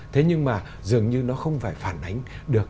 thế nhưng mà dường như nó không phải phản ánh được